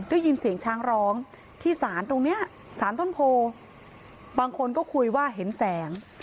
ได้ยินเสียงช้างร้องที่ศาลตรงเนี้ยสารต้นโพบางคนก็คุยว่าเห็นแสง